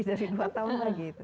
dari dua tahun lagi itu